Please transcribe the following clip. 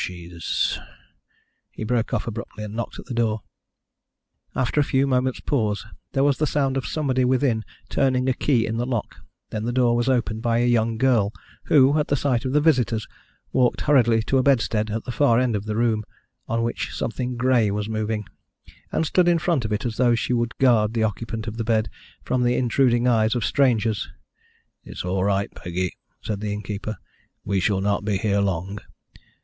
She is " He broke off abruptly, and knocked at the door. After a few moments' pause there was the sound of somebody within turning a key in the lock, then the door was opened by a young girl, who, at the sight of the visitors, walked hurriedly across to a bedstead at the far end of the room, on which something grey was moving, and stood in front of it as though she would guard the occupant of the bed from the intruding eyes of strangers. "It's all right, Peggy," said the innkeeper. "We shall not be here long.